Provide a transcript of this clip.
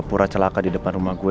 pura celaka di depan rumah gue